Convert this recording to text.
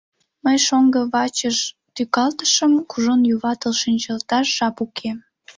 Мый шоҥгым вачыж гыч тӱкалтышым: кужун юватыл шинчылташ жап уке.